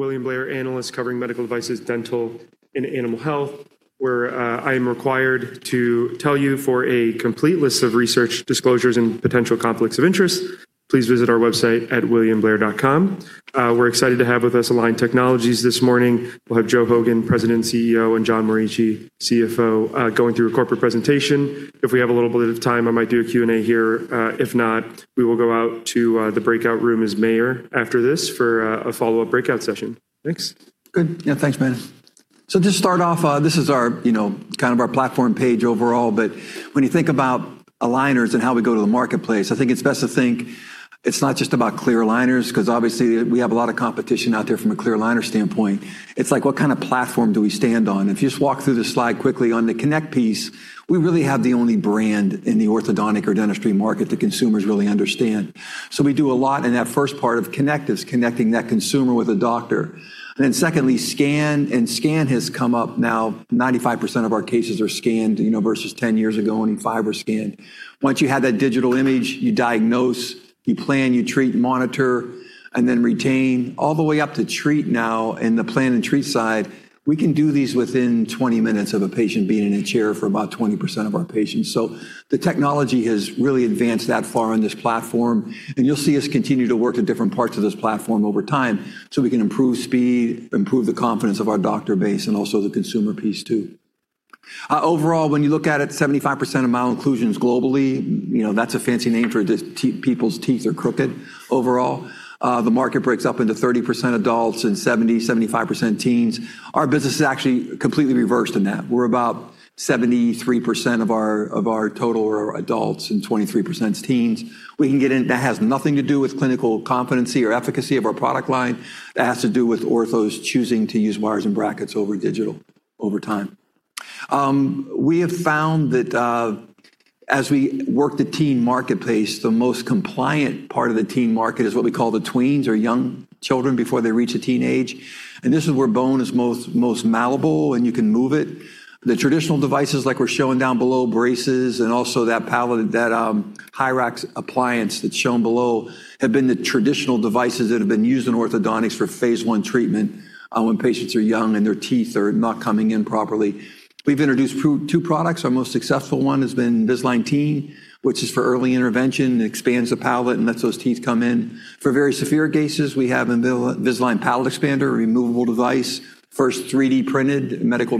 William Blair analyst covering medical devices, dental, and animal health, where I am required to tell you for a complete list of research disclosures and potential conflicts of interest, please visit our website at williamblair.com. We're excited to have with us Align Technology this morning. We'll have Joe Hogan, President and CEO, and John Morici, CFO, going through a corporate presentation. If we have a little bit of time, I might do a Q&A here. If not, we will go out to the breakout room with Mayer after this for a follow-up breakout session. Thanks. Good. Yeah, thanks, man. Just to start off, this is our platform page overall. When you think about aligners and how we go to the marketplace, I think it's best to think it's not just about clear aligners because obviously we have a lot of competition out there from a clear aligner standpoint. It's like, what kind of platform do we stand on? If you just walk through this slide quickly on the connect piece, we really have the only brand in the orthodontic or dentistry market that consumers really understand. We do a lot in that first part of connect is connecting that consumer with a doctor. Secondly, scan. Scan has come up now 95% of our cases are scanned, versus 10 years ago, only 5% were scanned. Once you have that digital image, you diagnose, you plan, you treat, monitor, and then retain all the way up to treat now in the plan and treat side. We can do these within 20 minutes of a patient being in a chair for about 20% of our patients. The technology has really advanced that far on this platform, and you'll see us continue to work at different parts of this platform over time so we can improve speed, improve the confidence of our doctor base, and also the consumer piece, too. Overall, when you look at it, 75% of malocclusions globally. That's a fancy name for people's teeth are crooked overall. The market breaks up into 30% adults and 70%, 75% teens. Our business is actually completely reversed in that. We're about 73% of our total are adults and 23% is teens. That has nothing to do with clinical competency or efficacy of our product line. That has to do with orthos choosing to use wires and brackets over digital over time. We have found that as we work the teen marketplace, the most compliant part of the teen market is what we call the tweens or young children before they reach the teen age. This is where bone is most malleable and you can move it. The traditional devices like we're showing down below, braces and also that Hyrax appliance that's shown below, have been the traditional devices that have been used in orthodontics for phase 1 treatment when patients are young and their teeth are not coming in properly. We've introduced two products. Our most successful one has been Invisalign Teen, which is for early intervention. It expands the palate and lets those teeth come in. For very severe cases, we have Invisalign Palatal Expander, a removable device, first 3D-printed medical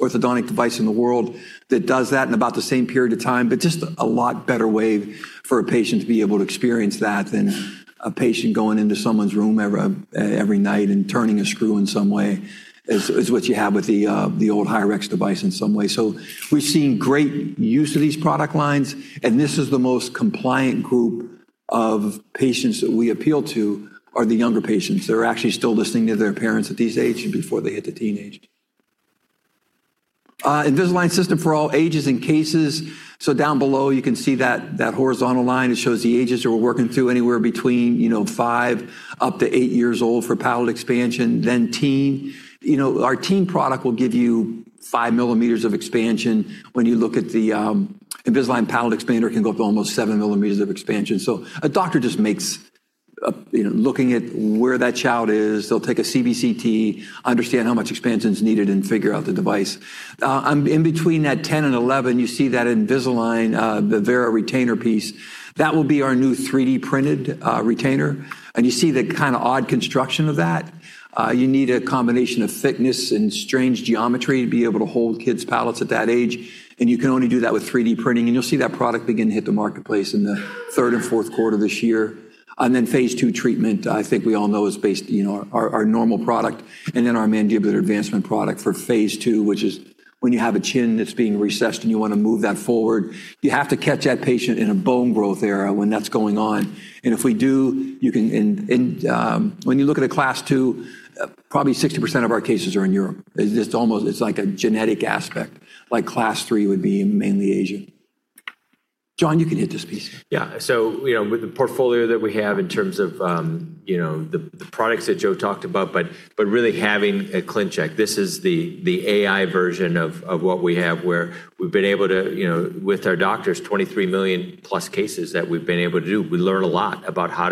orthodontic device in the world that does that in about the same period of time, but just a lot better way for a patient to be able to experience that than a patient going into someone's room every night and turning a screw in some way, is what you have with the old Hyrax device in some way. We've seen great use of these product lines, and this is the most compliant group of patients that we appeal to, are the younger patients. They're actually still listening to their parents at this age and before they hit the teenage. Invisalign System for all ages and cases. Down below you can see that horizontal line. It shows the ages that we're working through, anywhere between five up to eight years old for palate expansion, teen. Our teen product will give you 5 mm of expansion. When you look at the Invisalign Palatal Expander, it can go up to almost 7 mm of expansion. A doctor just looking at where that child is, they'll take a CBCT, understand how much expansion is needed, and figure out the device. In between that 10 and 11, you see that Invisalign Vivera retainer piece. That will be our new 3D-printed retainer. You see the kind of odd construction of that. You need a combination of thickness and strange geometry to be able to hold kids' palates at that age, and you can only do that with 3D printing. You'll see that product begin to hit the marketplace in the third and fourth quarter of this year. Phase II treatment, I think we all know, is based our normal product and then our Mandibular Advancement product for phase II, which is when you have a chin that's being recessed and you want to move that forward. You have to catch that patient in a bone growth era when that's going on. If we do, when you look at a Class II, probably 60% of our cases are in Europe. It's like a genetic aspect. Class III would be mainly Asia. John, you can hit this piece. Yeah. With the portfolio that we have in terms of the products that Joe talked about, but really having a ClinCheck. This is the AI version of what we have, where we've been able to, with our doctors, 23 million+ cases that we've been able to do. We learn a lot about how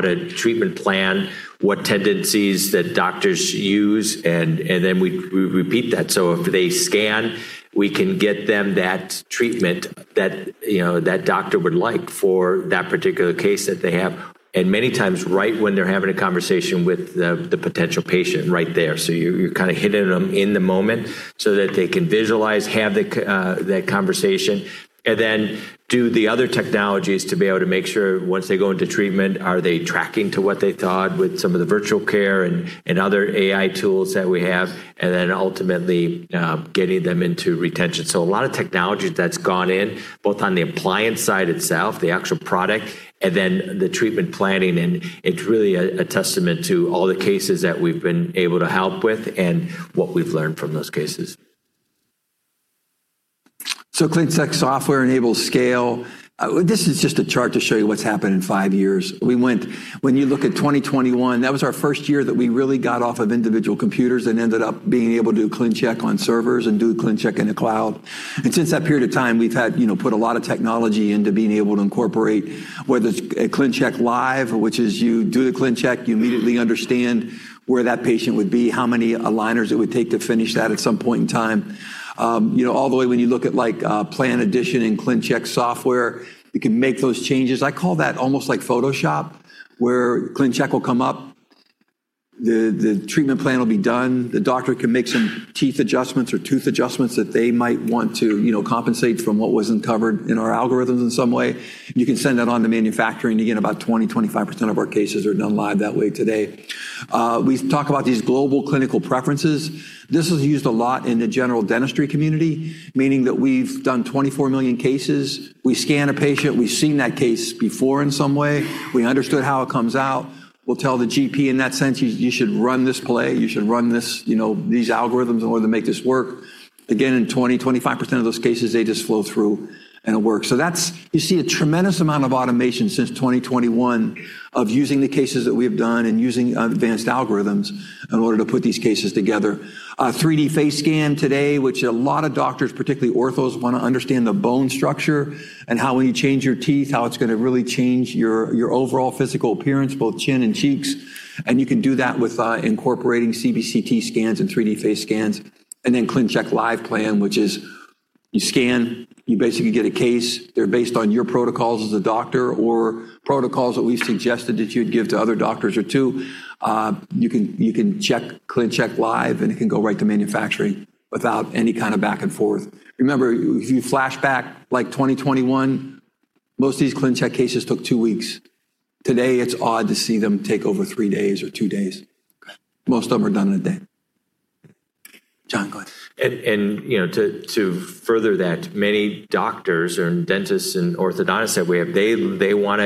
to treatment plan, what tendencies that doctors use, and then we repeat that. If they scan, we can get them that treatment that doctor would like for that particular case that they have many times, right when they're having a conversation with the potential patient right there. You're kind of hitting them in the moment so that they can visualize, have that conversation, and then do the other technologies to be able to make sure once they go into treatment, are they tracking to what they thought with some of the Virtual Care and other AI tools that we have, and then ultimately getting them into retention. A lot of technology that's gone in both on the appliance side itself, the actual product, and then the treatment planning. It's really a testament to all the cases that we've been able to help with and what we've learned from those cases. ClinCheck software enables scale. This is just a chart to show you what's happened in five years. When you look at 2021, that was our first year that we really got off of individual computers and ended up being able to do ClinCheck on servers and do ClinCheck in the cloud. Since that period of time, we've put a lot of technology into being able to incorporate, whether it's a ClinCheck Live, which is you do the ClinCheck, you immediately understand where that patient would be, how many aligners it would take to finish that at some point in time. All the way when you look at Plan Editor and ClinCheck software, you can make those changes. I call that almost like Photoshop, where ClinCheck will come up, the treatment plan will be done. The doctor can make some teeth adjustments or tooth adjustments that they might want to compensate from what wasn't covered in our algorithms in some way. You can send that on to manufacturing. Again, about 20%, 25% of our cases are done live that way today. We talk about these Global Clinical Preferences. This is used a lot in the general dentistry community, meaning that we've done 24 million cases. We scan a patient, we've seen that case before in some way. We understood how it comes out. We'll tell the GP in that sense, "You should run this play. You should run these algorithms in order to make this work." Again, in 20%, 25% of those cases, they just flow through and it works. You see a tremendous amount of automation since 2021 of using the cases that we've done and using advanced algorithms in order to put these cases together. A 3D face scan today, which a lot of doctors, particularly orthos, want to understand the bone structure and how when you change your teeth, how it's going to really change your overall physical appearance, both chin and cheeks. You can do that with incorporating CBCT scans and 3D face scans. Then ClinCheck Live Plan, which is you scan, you basically get a case. They're based on your protocols as a doctor or protocols that we've suggested that you'd give to other doctors or two. You can check ClinCheck Live, and it can go right to manufacturing without any kind of back and forth. Remember, if you flash back like 2021, most of these ClinCheck cases took two weeks. Today, it's odd to see them take over three days or two days. Most of them are done in a day. John, go ahead. To further that, many doctors and dentists and orthodontists that we have, they want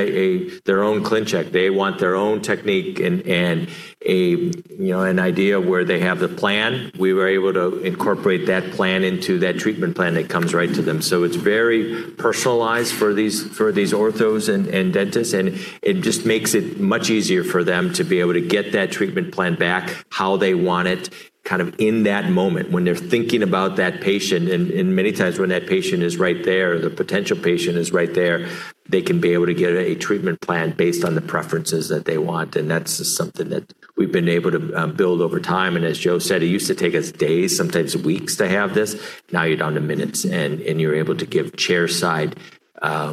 their own ClinCheck. They want their own technique and an idea where they have the plan. We were able to incorporate that plan into that treatment plan that comes right to them. It's very personalized for these orthos and dentists, and it just makes it much easier for them to be able to get that treatment plan back how they want it, kind of in that moment when they're thinking about that patient. Many times when that patient is right there, the potential patient is right there. They can be able to get a treatment plan based on the preferences that they want, and that's just something that we've been able to build over time. As Joe said, it used to take us days, sometimes weeks, to have this. Now you're down to minutes, and you're able to give chairside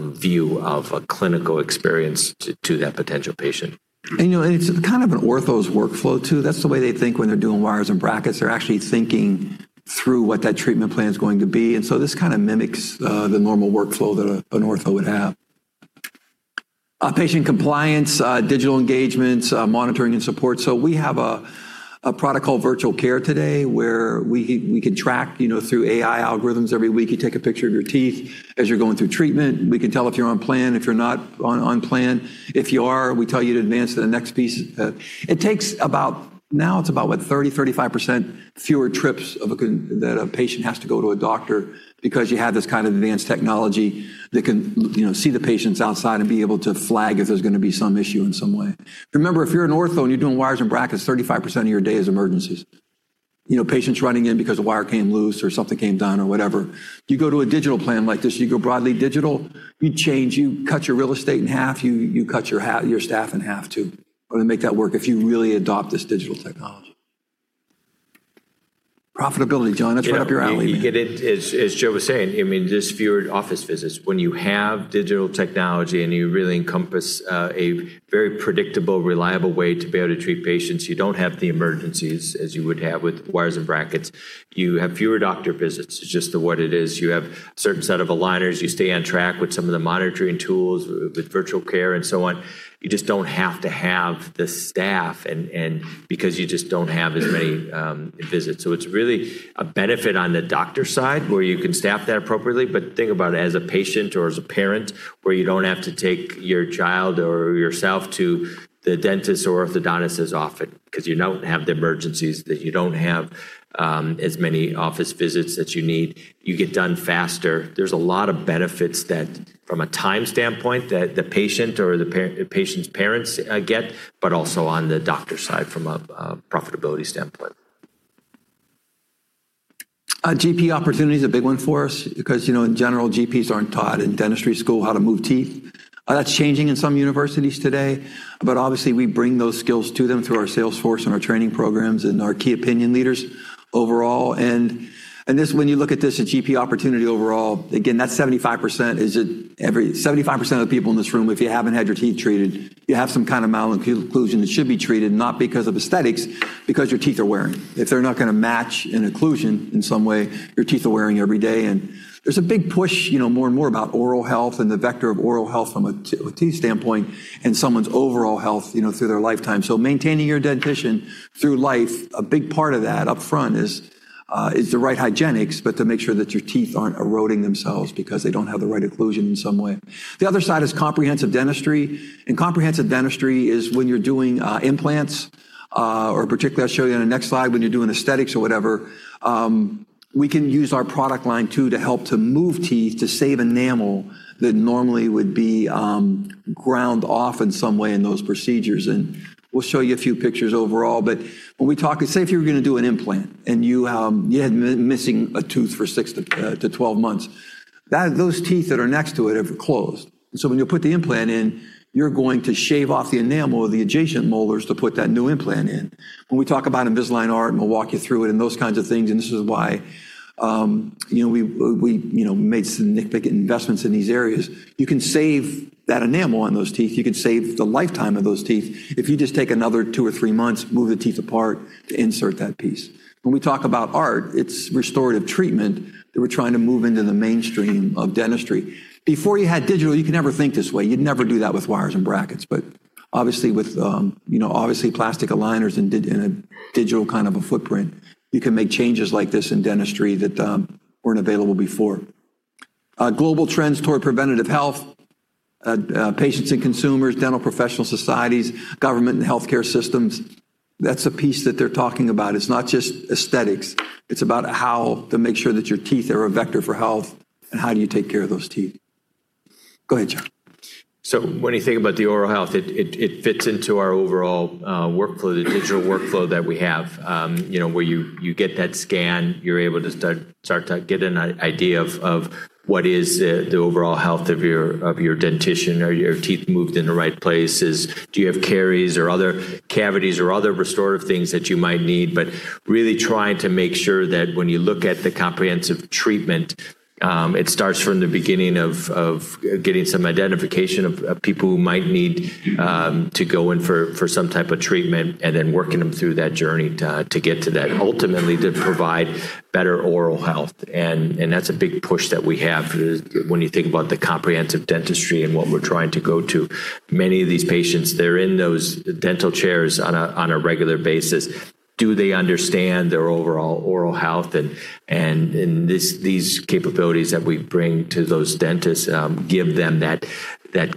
view of a clinical experience to that potential patient. It's kind of an ortho's workflow, too. That's the way they think when they're doing wires and brackets. They're actually thinking through what that treatment plan's going to be, and so this kind of mimics the normal workflow that an ortho would have. Patient compliance, digital engagements, monitoring, and support. We have a product called Virtual Care today, where we can track through AI algorithms every week. You take a picture of your teeth as you're going through treatment. We can tell if you're on plan, if you're not on plan. If you are, we tell you to advance to the next piece. It takes about, now it's about, what, 30%, 35% fewer trips that a patient has to go to a doctor because you have this kind of advanced technology that can see the patients outside and be able to flag if there's going to be some issue in some way. Remember, if you're an ortho and you're doing wires and brackets, 35% of your day is emergencies. Patients running in because a wire came loose or something came undone or whatever. You go to a digital plan like this, you go broadly digital, you change, you cut your real estate in half. You cut your staff in half, too, or to make that work if you really adopt this digital technology. Profitability, John, that's right up your alley, man. As Joe was saying, just fewer office visits. When you have digital technology and you really encompass a very predictable, reliable way to be able to treat patients, you don't have the emergencies as you would have with wires and brackets. You have fewer doctor visits. It's just what it is. You have a certain set of aligners. You stay on track with some of the monitoring tools, with virtual care, and so on. You just don't have to have the staff because you just don't have as many visits. It's really a benefit on the doctor side, where you can staff that appropriately. Think about it as a patient or as a parent, where you don't have to take your child or yourself to the dentist's or orthodontist's office because you don't have the emergencies, that you don't have as many office visits that you need. You get done faster. There's a lot of benefits that from a time standpoint that the patient or the patient's parents get, but also on the doctor side from a profitability standpoint. GP opportunity is a big one for us because in general, GPs aren't taught in dentistry school how to move teeth. That's changing in some universities today. Obviously, we bring those skills to them through our sales force and our training programs and our key opinion leaders overall. When you look at this, a GP opportunity overall, again, that's 75% is at 75% of the people in this room, if you haven't had your teeth treated, you have some kind of malocclusion that should be treated, not because of aesthetics, because your teeth are wearing. If they're not going to match in occlusion in some way, your teeth are wearing every day. There's a big push more and more about oral health and the vector of oral health from a teeth standpoint and someone's overall health through their lifetime. Maintaining your dentition through life, a big part of that up front is the right hygienics, but to make sure that your teeth aren't eroding themselves because they don't have the right occlusion in some way. The other side is comprehensive dentistry, and comprehensive dentistry is when you're doing implants, or particularly, I'll show you on the next slide, when you're doing aesthetics or whatever, we can use our product line, too, to help to move teeth to save enamel that normally would be ground off in some way in those procedures. We'll show you a few pictures overall. Say, if you were going to do an implant, and you had been missing a tooth for 6-12 months, those teeth that are next to it have closed. When you'll put the implant in, you're going to shave off the enamel of the adjacent molars to put that new implant in. When we talk about Invisalign ART, and we'll walk you through it and those kinds of things, and this is why we made significant investments in these areas. You can save that enamel on those teeth. You can save the lifetime of those teeth if you just take another two or three months, move the teeth apart to insert that piece. When we talk about ART, it's restorative treatment that we're trying to move into the mainstream of dentistry. Before you had digital, you could never think this way. You'd never do that with wires and brackets. Obviously, with plastic aligners and in a digital kind of a footprint, you can make changes like this in dentistry that weren't available before. Global trends toward preventative health, patients and consumers, dental professional societies, government and healthcare systems. That's a piece that they're talking about. It's not just aesthetics. It's about how to make sure that your teeth are a vector for health and how do you take care of those teeth. Go ahead, John. When you think about the oral health, it fits into our overall digital workflow that we have. Where you get that scan, you're able to start to get an idea of what is the overall health of your dentition. Are your teeth moved in the right places? Do you have caries or other cavities or other restorative things that you might need? Really trying to make sure that when you look at the comprehensive treatment, it starts from the beginning of getting some identification of people who might need to go in for some type of treatment and then working them through that journey to get to that, ultimately, to provide better oral health. That's a big push that we have when you think about the comprehensive dentistry and what we're trying to go to. Many of these patients, they're in those dental chairs on a regular basis. Do they understand their overall oral health? These capabilities that we bring to those dentists give them that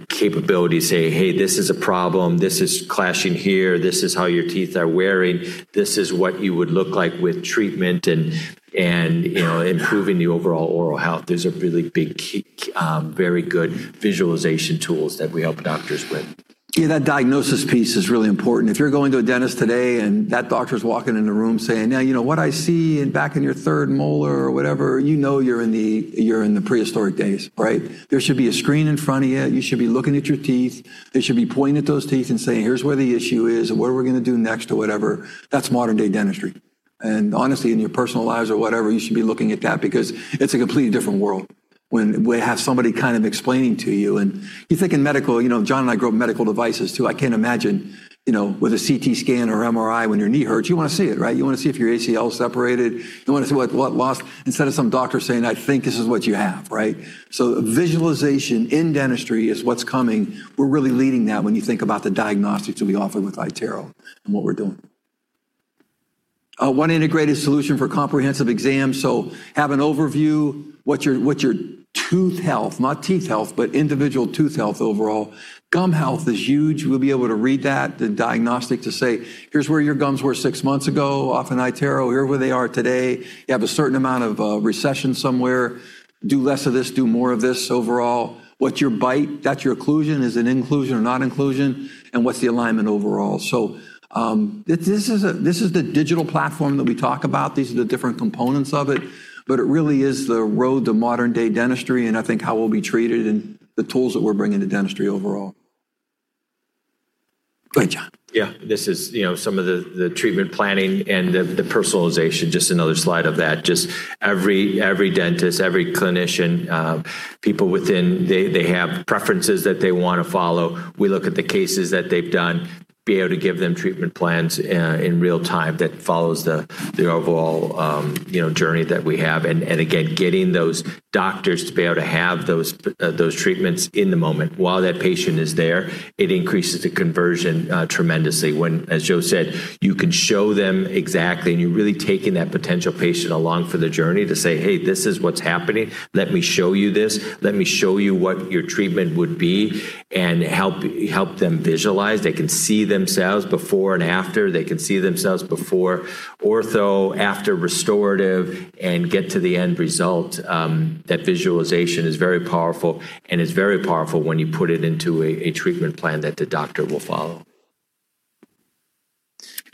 capability to say, "Hey, this is a problem. This is clashing here. This is how your teeth are wearing. This is what you would look like with treatment," and improving the overall oral health. These are really big, very good visualization tools that we help doctors with. Yeah, that diagnosis piece is really important. If you're going to a dentist today and that doctor's walking in the room saying, "Now, what I see back in your third molar," or whatever, you know you're in the prehistoric days. There should be a screen in front of you. You should be looking at your teeth. They should be pointing at those teeth and saying, "Here's where the issue is, and what are we going to do next?" Or whatever. That's modern-day dentistry. Honestly, in your personal lives or whatever, you should be looking at that because it's a completely different world when we have somebody explaining to you. You think in medical, John and I grow medical devices, too. I can't imagine with a CT scan or MRI, when your knee hurts, you want to see it. You want to see if your ACL is separated. You want to see what loss, instead of some doctor saying, "I think this is what you have." Visualization in dentistry is what's coming. We're really leading that when you think about the diagnostics that we offer with iTero and what we're doing. One integrated solution for comprehensive exams. Have an overview. What's your tooth health, not teeth health, but individual tooth health overall. Gum health is huge. We'll be able to read that, the diagnostic, to say, "Here's where your gums were six months ago off in iTero. Here where they are today. You have a certain amount of recession somewhere. Do less of this, do more of this overall. What's your bite? That's your occlusion. Is it occlusion or non-occlusion? What's the alignment overall?" This is the digital platform that we talk about. These are the different components of it, but it really is the road to modern-day dentistry, and I think how we'll be treated and the tools that we're bringing to dentistry overall. Go ahead, John. Yeah. This is some of the treatment planning and the personalization, just another slide of that. Every dentist, every clinician, people within, they have preferences that they want to follow. We look at the cases that they've done, be able to give them treatment plans in real-time that follows the overall journey that we have. Again, getting those doctors to be able to have those treatments in the moment while that patient is there, it increases the conversion tremendously when, as Joe said, you can show them exactly, and you're really taking that potential patient along for the journey to say, "Hey, this is what's happening. Let me show you this. Let me show you what your treatment would be," and help them visualize. They can see themselves before and after. They can see themselves before ortho, after restorative, and get to the end result. That visualization is very powerful. It's very powerful when you put it into a treatment plan that the doctor will follow.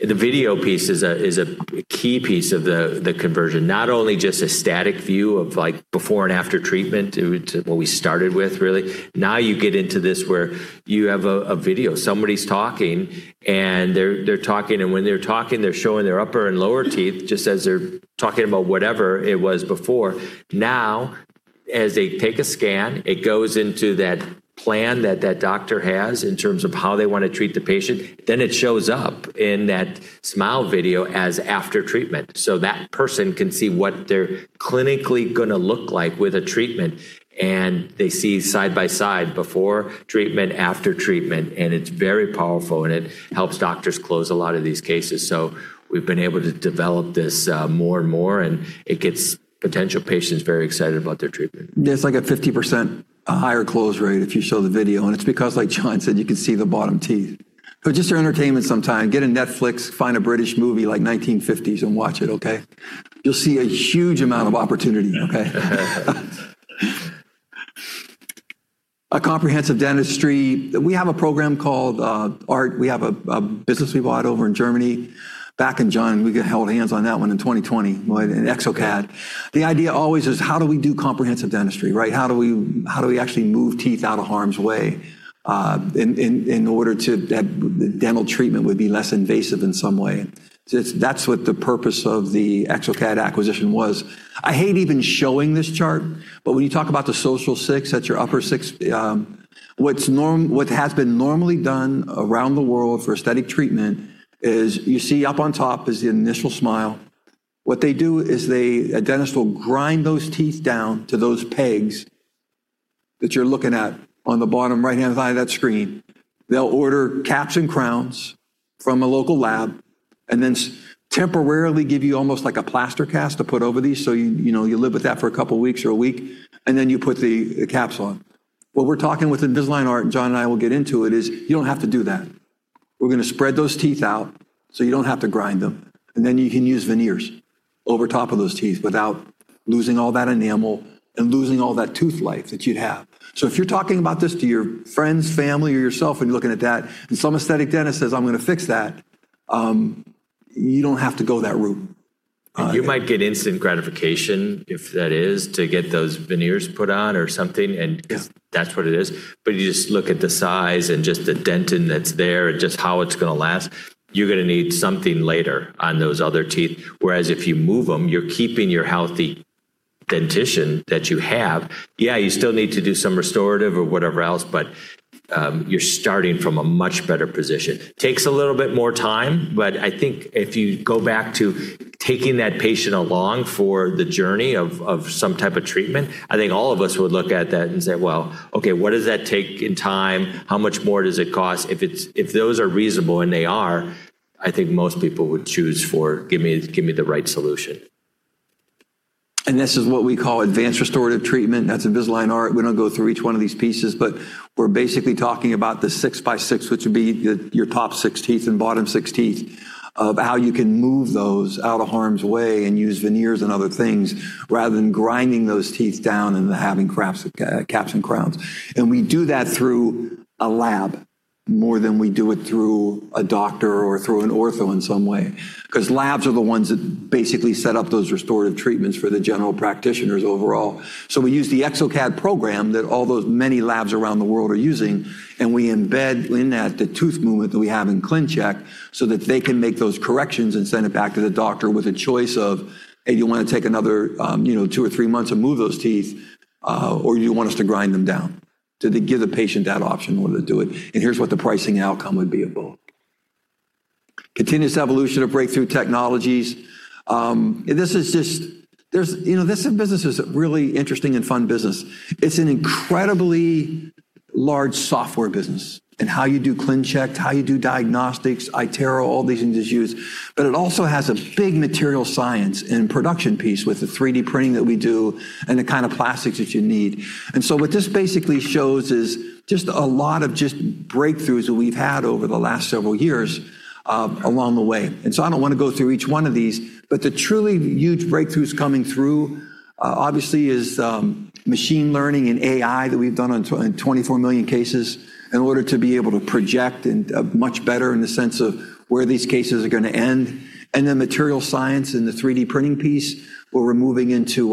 The video piece is a key piece of the conversion. Not only just a static view of before and after treatment to what we started with, really. Now you get into this where you have a video. Somebody's talking, and they're talking, and when they're talking, they're showing their upper and lower teeth, just as they're talking about whatever it was before. Now, as they take a scan, it goes into that plan that doctor has in terms of how they want to treat the patient. It shows up in that smile video as after treatment, so that person can see what they're clinically going to look like with a treatment. They see side by side, before treatment, after treatment, and it's very powerful, and it helps doctors close a lot of these cases. We've been able to develop this more and more, and it gets potential patients very excited about their treatment. It's like a 50% higher close rate if you show the video, and it's because, like John said, you can see the bottom teeth. Just for entertainment sometime, get a Netflix, find a British movie, like 1950s, and watch it, okay? You'll see a huge amount of opportunity. A comprehensive dentistry. We have a program called ART. We have a business we bought over in Germany. Back in June, we held hands on that one in 2020, an exocad. The idea always is how do we do comprehensive dentistry, right? How do we actually move teeth out of harm's way in order to have dental treatment would be less invasive in some way. That's what the purpose of the exocad acquisition was. I hate even showing this chart, but when you talk about the Social Six, that's your upper six. What has been normally done around the world for aesthetic treatment is you see up on top is the initial smile. What they do is a dentist will grind those teeth down to those pegs that you're looking at on the bottom right-hand side of that screen. They'll order caps and crowns from a local lab and then temporarily give you almost like a plaster cast to put over these, so you live with that for a couple of weeks or a week, and then you put the caps on. What we're talking with Invisalign ART, and John and I will get into it, is you don't have to do that. We're going to spread those teeth out so you don't have to grind them, and then you can use veneers over top of those teeth without losing all that enamel and losing all that tooth life that you'd have. If you're talking about this to your friends, family, or yourself, and you're looking at that, and some aesthetic dentist says, "I'm going to fix that," you don't have to go that route. You might get instant gratification, if that is, to get those veneers put on or something. Yeah That's what it is. You just look at the size and just the dentin that's there and just how it's going to last, you're going to need something later on those other teeth. If you move them, you're keeping your healthy dentition that you have. Yeah, you still need to do some restorative or whatever else, but you're starting from a much better position. Takes a little bit more time, but I think if you go back to taking that patient along for the journey of some type of treatment, I think all of us would look at that and say, "Well, okay, what does that take in time? How much more does it cost?" If those are reasonable, and they are, I think most people would choose for give me the right solution. This is what we call advanced restorative treatment. That's Invisalign ART. We don't go through each one of these pieces, but we're basically talking about the six by six, which would be your top six teeth and bottom six teeth, of how you can move those out of harm's way and use veneers and other things rather than grinding those teeth down and having caps and crowns. We do that through a lab more than we do it through a doctor or through an ortho in some way because labs are the ones that basically set up those restorative treatments for the general practitioners overall. We use the exocad program that all those many labs around the world are using, and we embed in that the tooth movement that we have in ClinCheck so that they can make those corrections and send it back to the doctor with a choice of, "Hey, do you want to take another two or three months and move those teeth, or do you want us to grind them down?" They give the patient that option in order to do it, and here's what the pricing outcome would be of both. Continuous evolution of breakthrough technologies. This business is a really interesting and fun business. It's an incredibly large software business in how you do ClinCheck, how you do diagnostics, iTero, all these things it's used. It also has a big material science and production piece with the 3D printing that we do and the kind of plastics that you need. What this basically shows is just a lot of just breakthroughs that we've had over the last several years along the way. I don't want to go through each one of these, but the truly huge breakthroughs coming through, obviously, is machine learning and AI that we've done on 24 million cases in order to be able to project much better in the sense of where these cases are going to end. Material science and the 3D printing piece, where we're moving into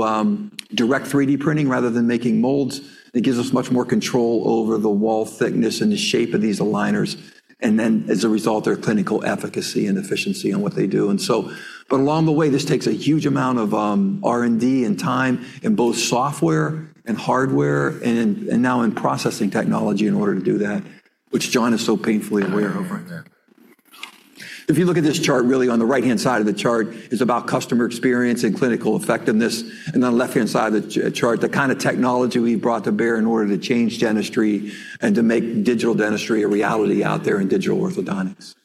direct 3D printing rather than making molds. It gives us much more control over the wall thickness and the shape of these aligners. As a result, their clinical efficacy and efficiency on what they do. Along the way, this takes a huge amount of R&D and time in both software and hardware and now in processing technology in order to do that, which John is so painfully aware of right now. If you look at this chart, really on the right-hand side of the chart is about customer experience and clinical effectiveness. On the left-hand side of the chart, the kind of technology we brought to bear in order to change dentistry and to make digital dentistry a reality out there in digital orthodontics.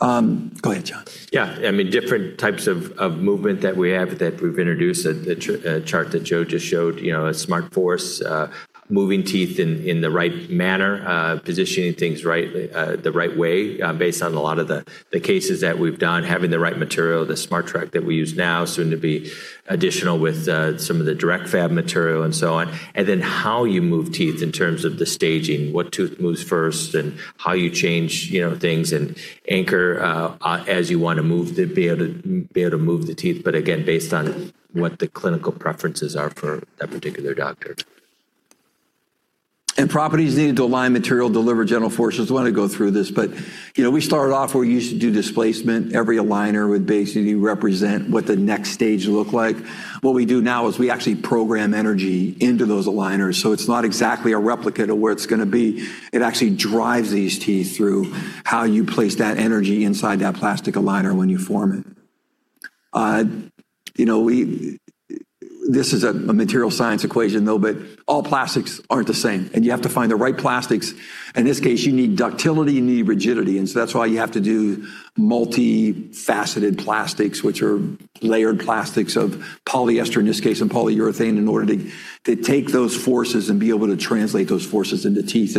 Go ahead, John. Yeah. Different types of movement that we have that we've introduced, the chart that Joe just showed, SmartForce, moving teeth in the right manner, positioning things the right way based on a lot of the cases that we've done, having the right material, the SmartTrack that we use now, soon to be additional with some of the direct fab material and so on. How you move teeth in terms of the staging, what tooth moves first, and how you change things and anchor as you want to be able to move the teeth, but again, based on what the clinical preferences are for that particular doctor. Properties needed to align material, deliver gentle forces. Don't want to go through this. We started off where we used to do displacement. Every aligner would basically represent what the next stage looked like. What we do now is we actually program energy into those aligners. It's not exactly a replica to where it's going to be. It actually drives these teeth through how you place that energy inside that plastic aligner when you form it. This is a material science equation, though. All plastics aren't the same, and you have to find the right plastics. In this case, you need ductility, and you need rigidity. That's why you have to do multifaceted plastics, which are layered plastics of polyester, in this case, and polyurethane, in order to take those forces and be able to translate those forces into teeth.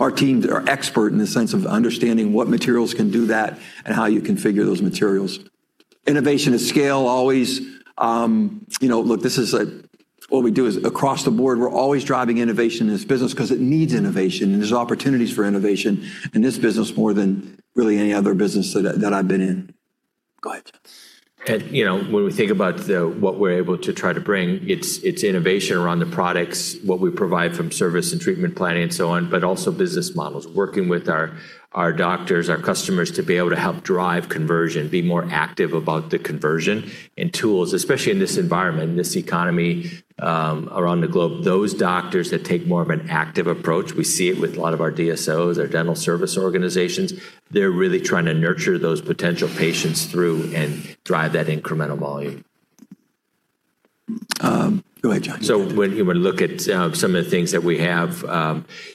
Our teams are expert in the sense of understanding what materials can do that and how you configure those materials. Innovation at scale always. Look, this is what we do. Across the board, we're always driving innovation in this business because it needs innovation, and there's opportunities for innovation in this business more than really any other business that I've been in. Go ahead, John. When we think about what we're able to try to bring, it's innovation around the products, what we provide from service and treatment planning and so on, but also business models. Working with our doctors, our customers, to be able to help drive conversion, be more active about the conversion, and tools, especially in this environment, in this economy around the globe. Those doctors that take more of an active approach, we see it with a lot of our DSOs, our Dental Service Organizations. They're really trying to nurture those potential patients through and drive that incremental volume. Go ahead, John. When you look at some of the things that we have,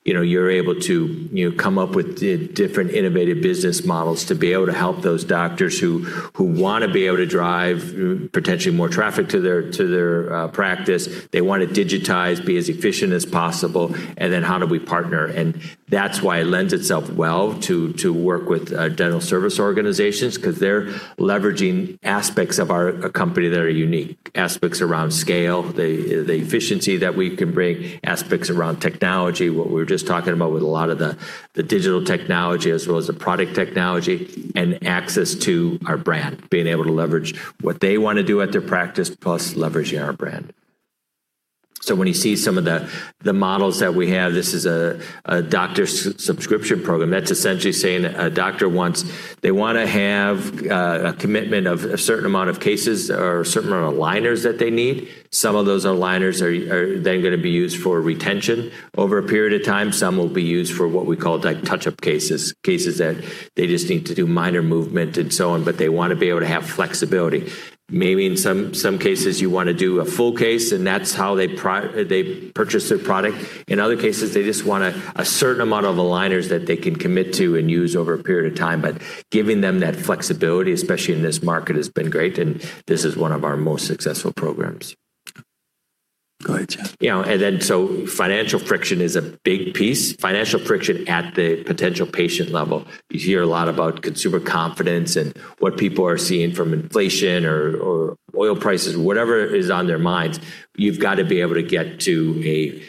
you're able to come up with different innovative business models to be able to help those doctors who want to be able to drive potentially more traffic to their practice. They want to digitize, be as efficient as possible, how do we partner? That's why it lends itself well to work with Dental Service Organizations, because they're leveraging aspects of our company that are unique, aspects around scale, the efficiency that we can bring, aspects around technology, what we were just talking about with a lot of the digital technology as well as the product technology, and access to our brand, being able to leverage what they want to do at their practice, plus leveraging our brand. When you see some of the models that we have, this is a doctor subscription program. That's essentially saying a doctor wants to have a commitment of a certain amount of cases or a certain amount of aligners that they need. Some of those aligners are then going to be used for retention over a period of time. Some will be used for what we call touch-up cases. Cases that they just need to do minor movement and so on, they want to be able to have flexibility. Maybe in some cases, you want to do a full case, that's how they purchase a product. In other cases, they just want a certain amount of aligners that they can commit to and use over a period of time. Giving them that flexibility, especially in this market, has been great, this is one of our most successful programs. Go ahead, John. Financial friction is a big piece. Financial friction at the potential patient level. You hear a lot about consumer confidence and what people are seeing from inflation or oil prices, whatever is on their minds. You've got to be able to get to a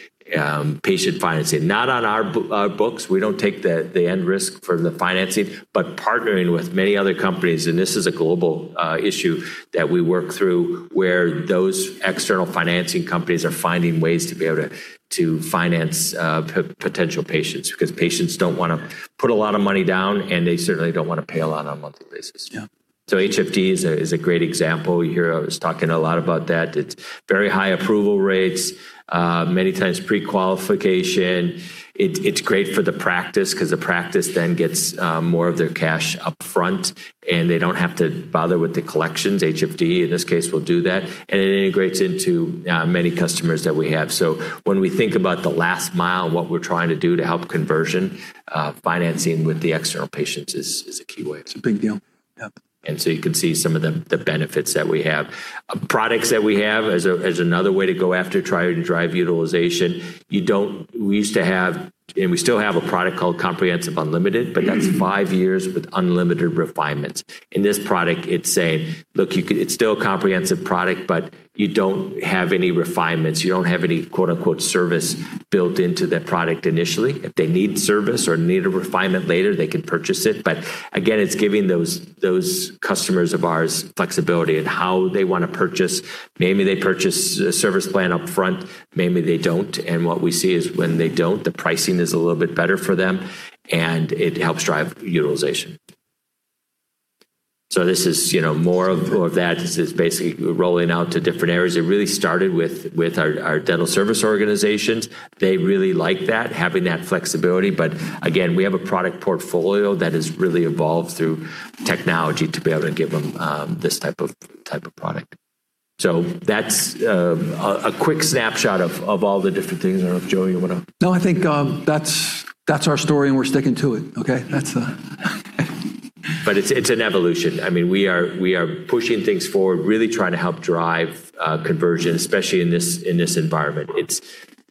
patient financing. Not on our books. We don't take the end risk from the financing, but partnering with many other companies, and this is a global issue that we work through where those external financing companies are finding ways to be able to finance potential patients. Because patients don't want to put a lot of money down, and they certainly don't want to pay a lot on a monthly basis. Yeah. HFD is a great example. I was talking a lot about that. It's very high approval rates, many times pre-qualification. It's great for the practice because the practice then gets more of their cash up front, and they don't have to bother with the collections. HFD, in this case, will do that, and it integrates into many customers that we have. When we think about the last mile and what we're trying to do to help conversion, financing with the external patients is a key way. It's a big deal. Yeah. You can see some of the benefits that we have, products that we have as another way to go after trying to drive utilization. We used to have, and we still have a product called Comprehensive Unlimited, but that's five years with unlimited refinements. In this product, it's saying, look, it's still a comprehensive product, but you don't have any refinements. You don't have any "service" built into that product initially. If they need service or need a refinement later, they can purchase it. Again, it's giving those customers of ours flexibility in how they want to purchase. Maybe they purchase a service plan up front, maybe they don't. What we see is when they don't, the pricing is a little bit better for them, and it helps drive utilization. This is more of that. This is basically rolling out to different areas. It really started with our Dental Service Organizations. They really like that, having that flexibility. Again, we have a product portfolio that has really evolved through technology to be able to give them this type of product. That's a quick snapshot of all the different things. I don't know, Joe. No, I think that's our story and we're sticking to it, okay? It's an evolution. We are pushing things forward, really trying to help drive conversion, especially in this environment.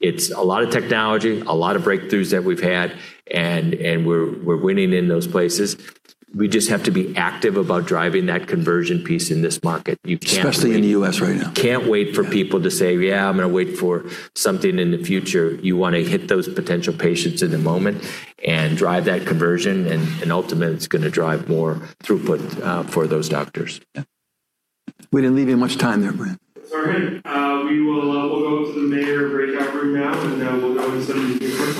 It's a lot of technology, a lot of breakthroughs that we've had, and we're winning in those places. We just have to be active about driving that conversion piece in this market. Especially in the U.S. right now. Can't wait for people to say, "Yeah, I'm going to wait for something in the future." You want to hit those potential patients in the moment and drive that conversion. Ultimately, it's going to drive more throughput for those doctors. Yeah. We didn't leave you much time there, Brent. It's all right. We will go to the Mayer breakout room now, and then we'll go into some of these different ones.